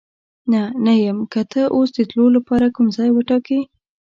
نه، نه یم، که ته اوس د تلو لپاره کوم ځای وټاکې.